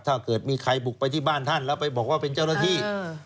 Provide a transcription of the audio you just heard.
ถ้าเกิดมีใครบุกไปที่บ้านท่านแล้วไปบอกว่าเป็นเจ้าหน้าที่